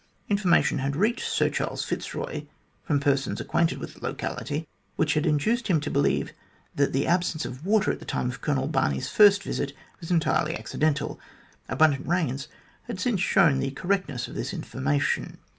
Information had reached Sir Charles Fitzroy from persons acquainted with the locality, which had induced him to believe that the absence of water at the time of Colonel Barney's first visit was entirely accidental. Abundant rains had since shown the correctness of this information.